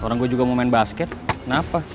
orang gue juga mau main basket kenapa